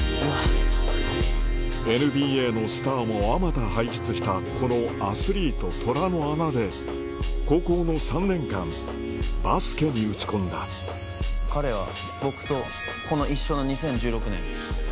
ＮＢＡのスターもあまた輩出したこのアスリート虎の穴で高校の３年間バスケに打ち込んだ彼は。